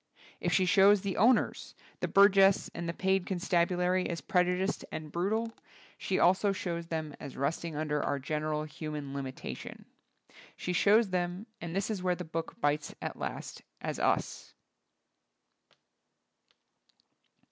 If she show& the owners, the burgess and the paid con stabulary, as prejudiced and brutal, she also shows them as resting under our general human limitation. She shows them, and this is where the book bites at last, as tis.